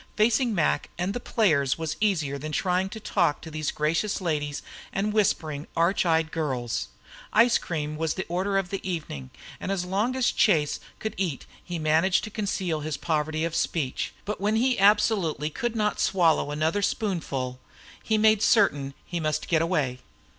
Facing Mac and the players was easier than trying to talk to these gracious ladies and whispering, arch eyed girls. Ice cream was the order of the evening, and as long as Chase could eat he managed to conceal his poverty of speech; but when he absolutely could not swallow another spoonful he made certain he must get away.